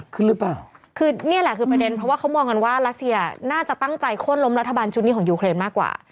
คือนี่แหละคือประเด็นเพราะว่ามันว่าราเซียน่าจะตั้งใจโครนล้มรัฐบารชุดนี้ของยุเครนมากกว่า